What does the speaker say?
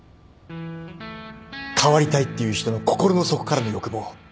変わりたいっていう人の心の底からの欲望。